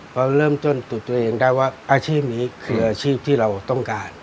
เพราะเริ่มต้นตุดตัวเองได้ว่าอาชีพนี้คืออาชีพที่เราต้องการ